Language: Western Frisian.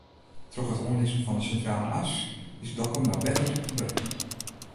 Troch it oanlizzen fan de Sintrale As is Dokkum no better te berikken.